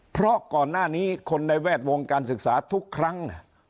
เพราะก่อนหน้านี้คนในแวดวงการศึกษาทุกครั้ง